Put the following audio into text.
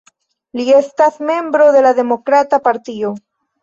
Li estas membro de la Demokrata Partio.